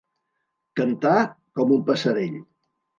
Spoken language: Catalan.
Cantar com un passerell.